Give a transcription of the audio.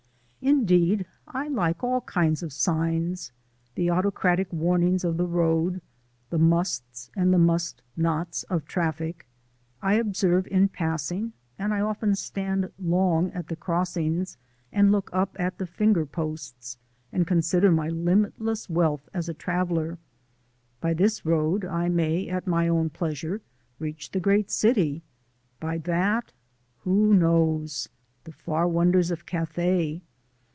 Indeed, I like all kinds of signs. The autocratic warnings of the road, the musts and the must nots of traffic, I observe in passing; and I often stand long at the crossings and look up at the finger posts, and consider my limitless wealth as a traveller. By this road I may, at my own pleasure, reach the Great City; by that who knows? the far wonders of Cathay.